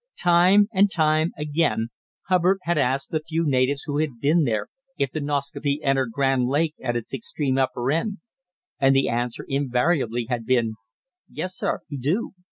Time and time again Hubbard had asked the few natives who had been there if the Nascaupee entered Grand Lake at its extreme upper end, and the answer invariably had been: "Yes, sir; he do."